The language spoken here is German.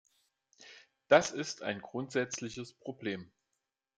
Das ist ein grundsätzliches Problem.